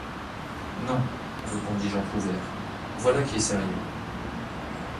Non, répondit Jean Prouvaire, voilà qui est sérieux.